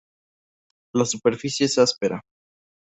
La superficie es áspera.